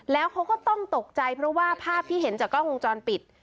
แล้วเขาก็ต้องตกใจเพราะว่าภาพที่เห็นจากกล้องวงจรปิด